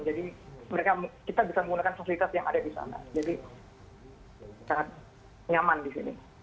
jadi kita bisa menggunakan fasilitas yang ada di sana jadi sangat nyaman di sini